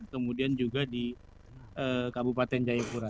kemudian juga di kabupaten jayapura